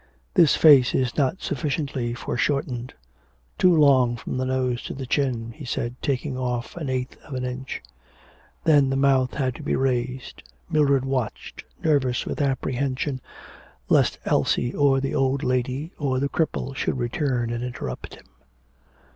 ... This face is not sufficiently foreshortened. Too long from the nose to the chin,' he said, taking off an eighth of an inch. Then the mouth had to be raised. Mildred watched, nervous with apprehension lest Elsie or the old lady or the cripple should return and interrupt him.